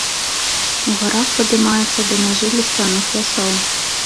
У гарах падымаецца да мяжы лісцяных лясоў.